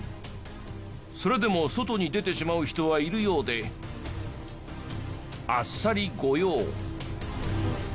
それでも外に出てしまう人はいるようであっさり御用。